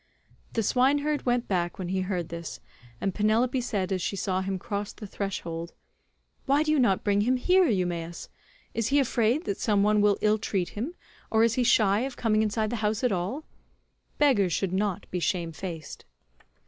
The swineherd went back when he heard this, and Penelope said as she saw him cross the threshold, "Why do you not bring him here, Eumaeus? Is he afraid that some one will ill treat him, or is he shy of coming inside the house at all? Beggars should not be shamefaced."